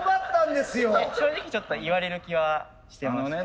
正直ちょっと言われる気はしてました。